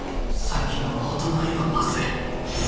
さっきの大友へのパス。